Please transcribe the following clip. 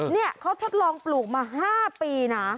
นี่เขาทดลองปลูกมา๕ปีนะ